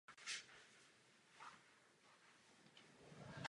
Víme však, že stále ještě zbývá mnohé udělat.